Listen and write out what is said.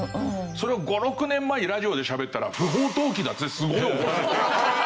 それを５６年前にラジオでしゃべったら不法投棄だ！ってすごい怒られて。